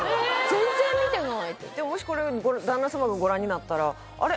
全然見てないでももしこれ旦那様がご覧になったら「あれ？